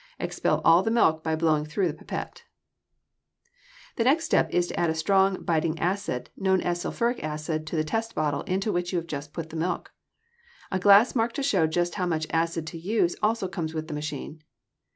Expel all the milk by blowing through the pipette. The next step is to add a strong, biting acid known as sulphuric acid to the test bottle into which you have just put the milk. A glass marked to show just how much acid to use also comes with the machine.